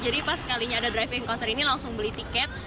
jadi pas kalinya ada drive in konser ini langsung beli tiket